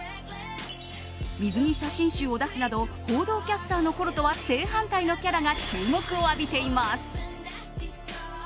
水着写真集を出すなど報道キャスターのころとは正反対のキャラが注目を浴びています。